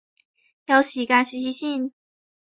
有時間試試先